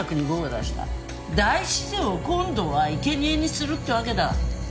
大自然を今度はいけにえにするってわけだ。